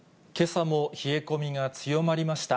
けさも冷え込みが強まりました。